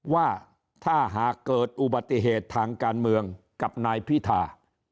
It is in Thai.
ว่าถ้าหากเกิดอุบัติเหตุทางการเมืองกับนายพิธา